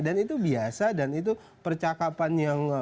dan itu biasa dan itu percakapan yang biasa saja